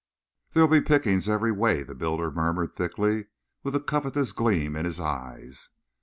"There'll be pickings every way," the builder murmured thickly, with a covetous gleam in his eyes.